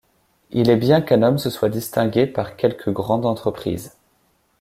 Il est bien qu’un homme se soit distingué par quelque grande entreprise !